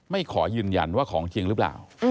ขอยืนยันว่าของจริงหรือเปล่า